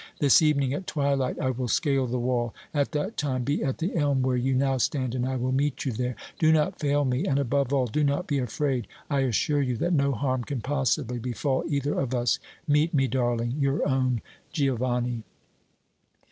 This evening at twilight I will scale the wall. At that time be at the elm where you now stand and I will meet you there. Do not fail me, and, above all, do not be afraid. I assure you that no harm can possibly befall either of us. Meet me, darling. Your own, GIOVANNI.